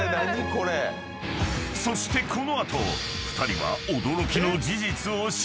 ［そしてこの後２人は］